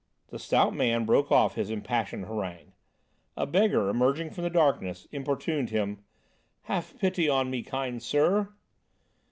The stout man broke off his impassioned harangue. A beggar, emerging from the darkness, importuned him: "Have pity on me, kind sir."